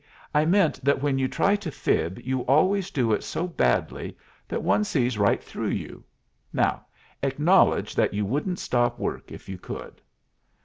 I meant that when you try to fib you always do it so badly that one sees right through you. Now, acknowledge that you wouldn't stop work if you could?"